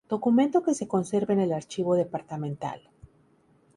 Documento que se conserva en el Archivo Departamental.